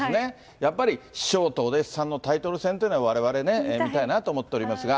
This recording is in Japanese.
やっぱり、師匠とお弟子さんのタイトル戦というのはわれわれね、見たいなと思っておりますが。